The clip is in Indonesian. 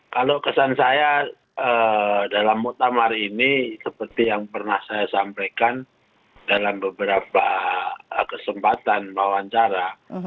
kalau kesan saya dalam muktamar ini seperti yang pernah saya sampaikan dalam beberapa kesempatan wawancara